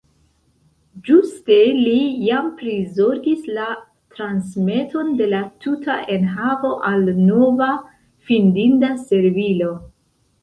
Ĝuste li jam prizorgis la transmeton de la tuta enhavo al nova, findinda servilo.